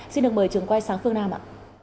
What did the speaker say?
xin được mời trường quay sáng phương nam ạ